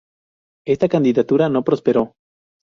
Esta candidatura no prosperó.